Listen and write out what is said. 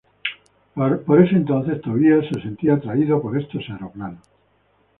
Para ese entonces Tobías se sentía atraído por estos aeroplanos.